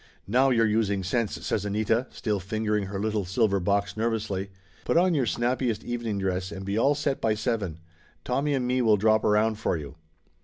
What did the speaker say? "Now you're using sense !" says Anita, still fingering her little silver box nervously. "Put on your snap piest evening dress and be all set by seven. Tommy and me will drop around for you.